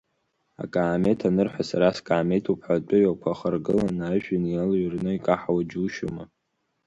Акаамеҭ анырҳәа, сара скаамеҭуп ҳәа, атәыҩақәа ахаргыланы, ажәҩан иалыҩрны икаҳауа џьушьома?